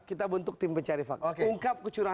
kita bentuk tim pencari fakta